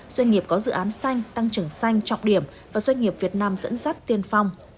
doanh nghiệp có dự án xanh tăng trưởng xanh trọc điểm và doanh nghiệp việt nam dẫn dắt tiên phong